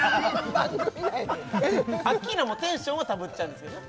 番組内にアッキーナもテンションはたぶっちゃんですよね